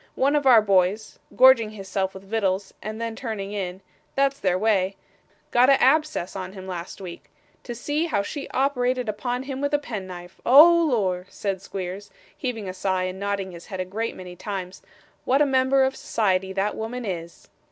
One of our boys gorging his self with vittles, and then turning in; that's their way got a abscess on him last week. To see how she operated upon him with a pen knife! Oh Lor!' said Squeers, heaving a sigh, and nodding his head a great many times, 'what a member of society that woman is!